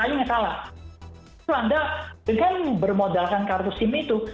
anda dengan bermodalkan kartu sim itu